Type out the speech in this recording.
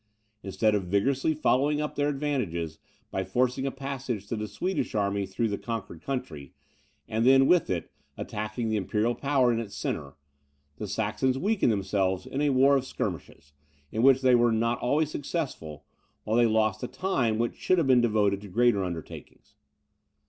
Instead of vigorously following up their advantages, by forcing a passage to the Swedish army through the conquered country, and then, with it, attacking the imperial power in its centre, the Saxons weakened themselves in a war of skirmishes, in which they were not always successful, while they lost the time which should have been devoted to greater undertakings.